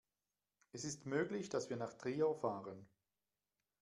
Es ist möglich, dass wir nach Trier fahren